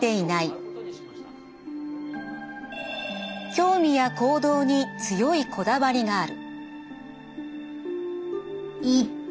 興味や行動に強いこだわりがある。